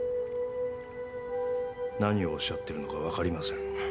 何をおっしゃってるのかわかりません。